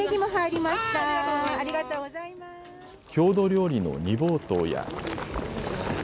郷土料理の煮ぼうとうや。